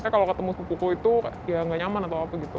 kalau ketemu suku suku itu ya gak nyaman atau apa gitu